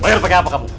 bayar pakai apa kamu